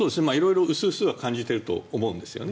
薄々は感じていると思うんですね。